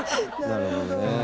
なるほどね。